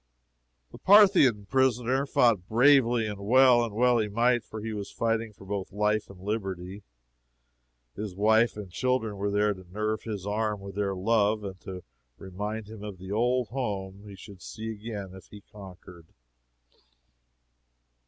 The Parthian prisoner fought bravely and well; and well he might, for he was fighting for both life and liberty. His wife and children were there to nerve his arm with their love, and to remind him of the old home he should see again if he conquered.